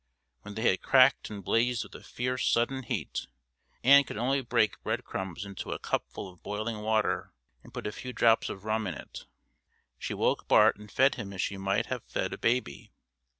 When they had cracked and blazed with a fierce, sudden heat, Ann could only break bread crumbs into a cupful of boiling water and put a few drops of rum in it. She woke Bart and fed him as she might have fed a baby.